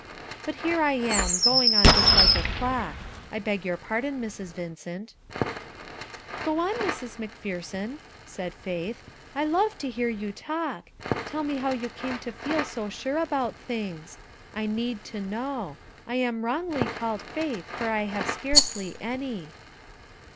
But here I am, going on just like a clock; I beg your pardon, Mrs. Vincent." "Go on, Mrs. Macpherson," said Faith, "I love to hear you talk. Tell me how you came to feel so sure about things. I need to know. I am wrongly called 'Faith,' for I have scarcely any."